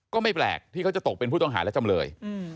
ก็ไม่แปลกที่เขาจะตกเป็นผู้ต้องหาและจำเลย